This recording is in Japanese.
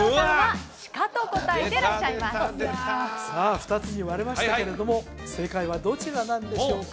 ２つに割れましたけれども正解はどちらなんでしょうか？